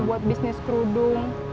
buat bisnis kerudung